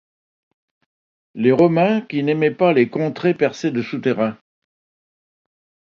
Les Romains qui n'aimaient pas les contrées percées de souterrains.